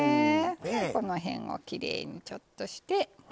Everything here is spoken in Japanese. このへんをきれいにちょっとして。